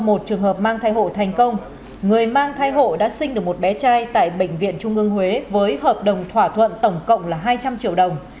một trường hợp mang thai hộ thành công người mang thai hộ đã sinh được một bé trai tại bệnh viện trung ương huế với hợp đồng thỏa thuận tổng cộng là hai trăm linh triệu đồng